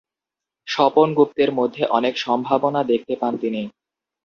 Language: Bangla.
স্বপন গুপ্তের মধ্যে অনেক সম্ভাবনা দেখতে পান তিনি।